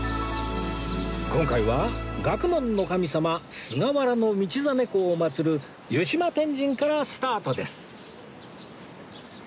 今回は学問の神様菅原道真公を祭る湯島天神からスタートです